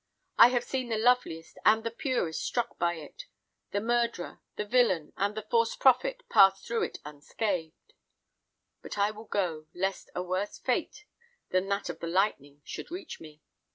I have seen the loveliest and the purest struck by it; the murderer, the villain, and the false prophet pass through it unscathed. But I will go, lest a worse fate than that of the lightning should reach me.